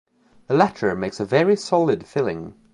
The latter makes a very solid filling.